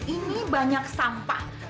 ini banyak sampah